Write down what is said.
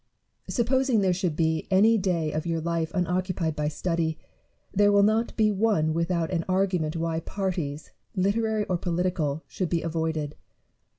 Supposing there should be any day of your life unoccupied by study, there will not be one without an argument why parties, literary or political, should be avoided.